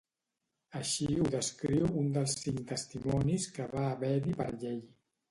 Així ho descriu un dels cinc testimonis que va haver-hi per llei.